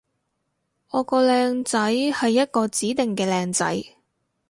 我個靚仔係一個指定嘅靚仔